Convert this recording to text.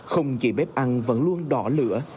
không chỉ bếp ăn vẫn luôn đỏ lửa